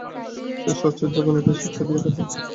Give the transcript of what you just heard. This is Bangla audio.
শ্রেষ্ঠ আচার্যগণ একই শিক্ষা দিয়া থাকেন।